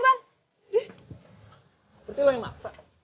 berarti lo yang maksa